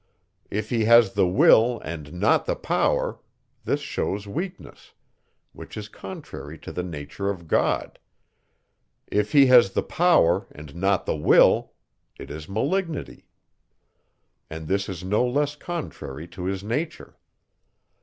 If he has the will, and not the power, this shews weakness, which is contrary to the nature of God. If he has the power, and not the will, it is malignity; and this is no less contrary to his nature.